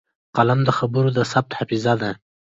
قلم د خبرو د ثبت حافظه ده